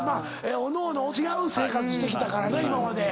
おのおの違う生活してきたからな今まで。